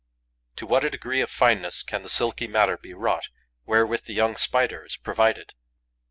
To what a degree of fineness can the silky matter be wrought wherewith the young Spider is provided!